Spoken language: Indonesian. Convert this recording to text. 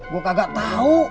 gue kagak tahu